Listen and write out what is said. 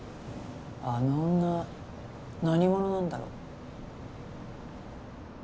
あの女何者なんだろう。